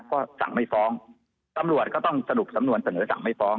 ก็สั่งไม่ฟ้องตำรวจก็ต้องสรุปสำนวนเสนอสั่งไม่ฟ้อง